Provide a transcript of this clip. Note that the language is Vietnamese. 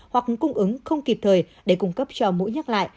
hoặc cung ứng không kịp thời để cung cấp cho mũi nhắc lại